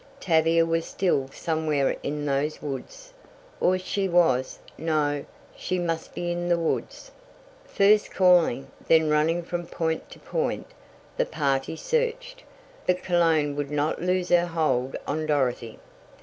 Tavia was still somewhere in those woods, or she was No, she must be in the woods! First calling, then running from point to point, the party searched, but Cologne would not lose her hold on Dorothy.